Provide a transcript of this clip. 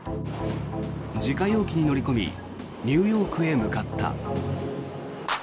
自家用機に乗り込みニューヨークへ向かった。